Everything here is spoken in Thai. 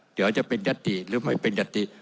เดี๋ยวจะเป็นยัตติหรือไม่เป็นยติ